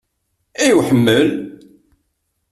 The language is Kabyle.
I uḥemmel?